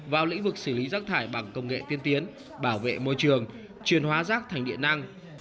vào lĩnh vực xử lý rác thải bằng công nghệ tiên tiến bảo vệ môi trường truyền hóa rác thành điện năng